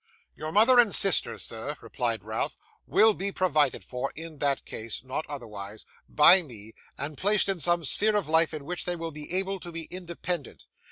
'Your mother and sister, sir,' replied Ralph, 'will be provided for, in that case (not otherwise), by me, and placed in some sphere of life in which they will be able to be independent.